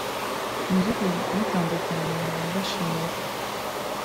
mu by’ukuru bitanze cyane nkaba mbashimira”